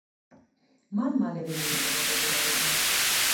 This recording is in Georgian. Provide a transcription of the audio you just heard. მან მალევე მოიპოვა პოპულარობა.